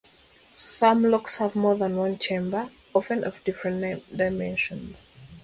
Some locks have more than one chamber, often of different dimensions.